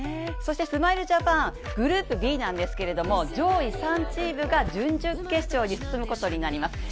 そしてスマイルジャパン、グループＢなんですけれども、上位３チームが準々決勝に進むことになります。